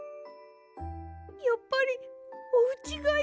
やっぱりおうちがいいです。